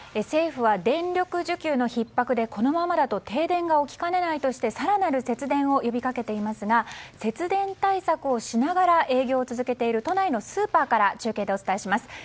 政府は電力需給のひっ迫でこのままだと停電が起きかねないとして更なる節電を呼びかけていますが節電対策をしながら営業を続けている都内のスーパーから中継でお伝えします。